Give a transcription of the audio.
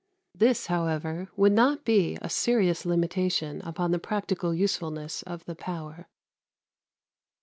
This, however, would not be a serious limitation upon the practical usefulness of the power.